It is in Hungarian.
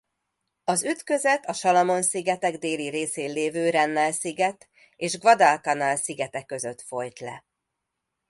Az ütközet a Salamon-szigetek déli részén lévő Rennell-sziget és Guadalcanal szigete között folyt le.